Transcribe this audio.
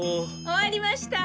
終わりました？